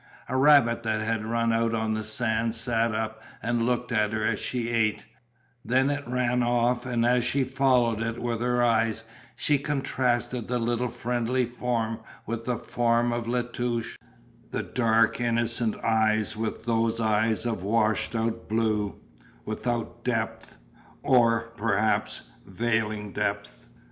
A rabbit that had run out on the sands sat up and looked at her as she ate, then it ran off and as she followed it with her eyes she contrasted the little friendly form with the form of La Touche, the dark innocent eyes with those eyes of washed out blue, without depth, or, perhaps, veiling depth.